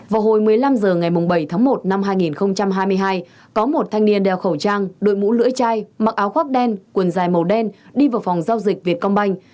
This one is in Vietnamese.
vào hồi một mươi năm h ngày bảy tháng một năm hai nghìn hai mươi hai có một thanh niên đeo khẩu trang đội mũ lưỡi chai mặc áo khoác đen quần dài màu đen đi vào phòng giao dịch việt công banh